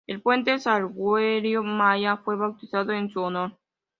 El Puente Salgueiro Maia fue bautizado en su honor.